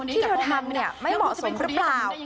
ที่เธอทำไม่เหมาะสมหรือเปล่า